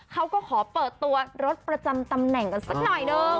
เขาก็ขอเปิดตัวรถประจำตำแหน่งกันสักหน่อยนึง